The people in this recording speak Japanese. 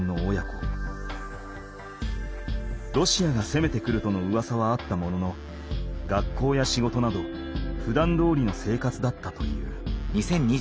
ロシアが攻めてくるとのうわさはあったものの学校や仕事などふだんどおりの生活だったという。